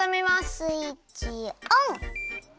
スイッチオン！